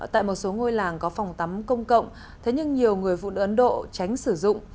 tại một số ngôi làng có phòng tắm công cộng thế nhưng nhiều người phụ nữ ấn độ tránh sử dụng